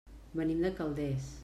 Venim de Calders.